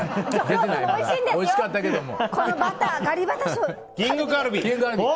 おいしかったけれども。